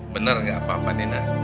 bener gak apa apa dena